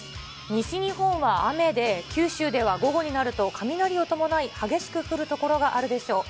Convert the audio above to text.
西日本は雨で、九州では午後になると雷を伴い、激しく降る所があるでしょう。